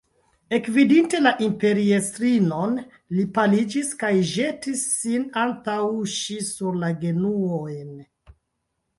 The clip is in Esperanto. Ekvidinte la imperiestrinon, li paliĝis kaj ĵetis sin antaŭ ŝi sur la genuojn.